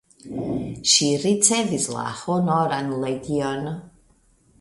Ŝi ricevis la honoran legion.